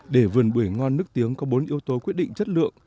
để vườn bưởi ngon nước tiếng có bốn yếu tố quyết định chất lượng